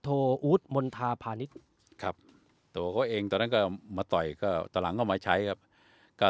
โทอู๊ดมณฑาพาณิชย์ครับตัวเขาเองตอนนั้นก็มาต่อยก็ตอนหลังก็มาใช้ครับก็